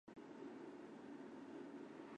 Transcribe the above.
是不是很讽刺呢？